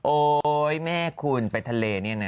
โอ๊ยแม่คุณไปทะเลนี่นะ